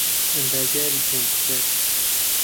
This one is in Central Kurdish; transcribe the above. ئەندازیاریی کۆمپیوتەر